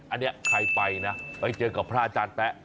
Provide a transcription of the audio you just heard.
อันนี้ใครไปนะไปเจอกับพระอาจารย์แป๊ะ